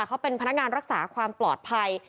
เขาเป็นพนักงานรักษาความปลอดภัย